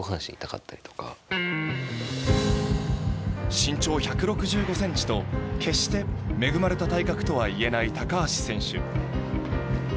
身長１６５ｃｍと決して恵まれた体格とは言えない高橋選手。